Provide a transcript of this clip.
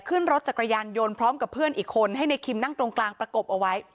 ขึ้นรถจักรยานยนต์พร้อมกับเพื่อนอีกคนให้ในคิมนั่งตรงกลางประกบเอาไว้